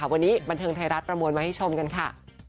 วันนี้บันเทิงไทยรัฐประมวลมาให้ชมกันค่ะ